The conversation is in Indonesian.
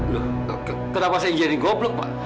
loh kenapa saya jadi goblok pak